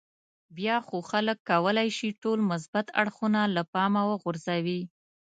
بیا خو خلک کولای شي ټول مثبت اړخونه له پامه وغورځوي.